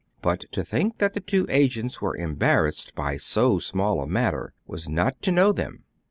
But to think that the two agents were embar rassed by so small a matter was not to know them.